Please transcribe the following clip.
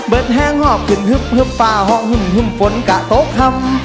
เบิดแห้งหอบขึ้นฮึบฮึบป้าห้องฮึ่มฮึ่มฝนกะโต๊ะคำ